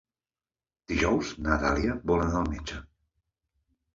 Dijous na Dàlia vol anar al metge.